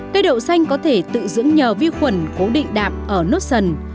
cây đậu xanh có thể tự dưỡng nhờ vi khuẩn cố định đạm ở nốt sần